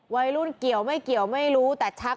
วัยรุ่นเกี่ยวไม่เกี่ยวไม่รู้